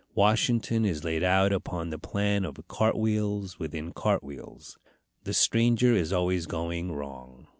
Washington is laid out upon the plan of cart wheels within cart wheels. The stranger is always going wrong.